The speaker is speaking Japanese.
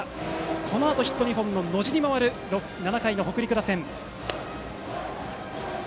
このあとヒット２本の野路に回る７回の北陸打線。